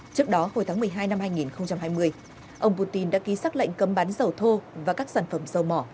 trước đó hồi tháng một mươi hai năm hai nghìn hai mươi ông putin đã ký xác lệnh cấm bán dầu thô và các sản phẩm dầu mỏ